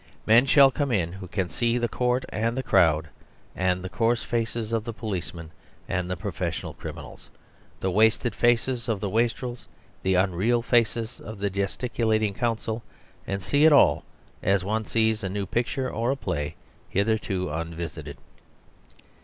Men shall come in who can see the court and the crowd, and coarse faces of the policeman and the professional criminals, the wasted faces of the wastrels, the unreal faces of the gesticulating counsel, and see it all as one sees a new picture or a play hitherto unvisited.